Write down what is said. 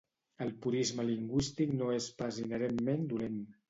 El purisme lingüístic no és pas inherentment dolent.